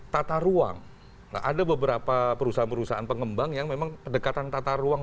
tata ruang ada beberapa perusahaan perusahaan pengembang yang memang pendekatan tata ruang